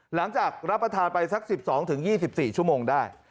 หลังจากรับประทานไปสัก๑๒๒๔ชั่วโมงได้